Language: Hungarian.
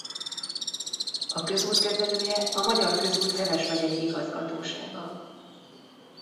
A közút kezelője a Magyar Közút Heves megyei Igazgatósága.